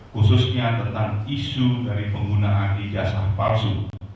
khususnya tentang isu dari penggunaan ijazah palsu